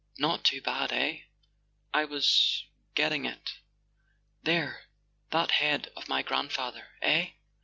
.. not too bad, eh ? I was ... getting it. .. There, that head of my grandfather, eh?